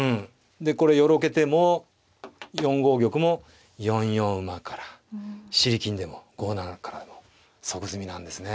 でこれよろけても４五玉も４四馬から尻金でも５七からでも即詰みなんですね。